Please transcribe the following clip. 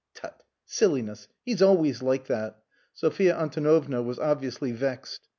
"Tut! Silliness. He's always like that." Sophia Antonovna was obviously vexed.